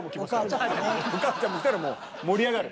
お母ちゃんも来たらもう盛り上がる。